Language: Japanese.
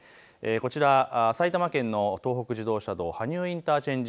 こちら埼玉県の東北自動車道羽生インターチェンジ